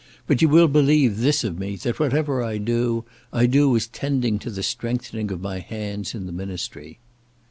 But you will believe this of me, that whatever I do, I do as tending to the strengthening of my hands in the ministry."